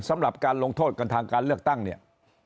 สำหรับการลงโทษกันทางการเลือกตั้งเนี่ย